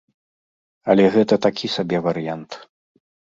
Але гэта такі сабе варыянт.